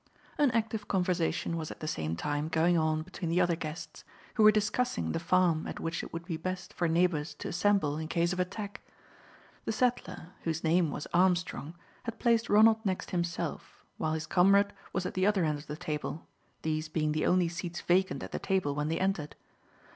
An active conversation was at the same time going on between the other guests, who were discussing the farm at which it would be best for neighbours to assemble in case of attack. The settler, whose name was Armstrong, had placed Ronald next himself, while his comrade was at the other end of the table, these being the only seats vacant at the table when they entered.